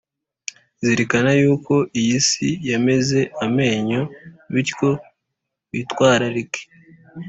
Zirikana yuko iyisi yameze amenyo bityo witwararike